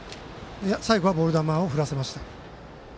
最後はボール球を振らせました。